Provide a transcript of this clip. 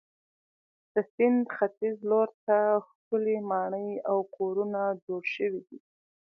د سیند ختیځ لور ته ښکلې ماڼۍ او کورونه جوړ شوي دي.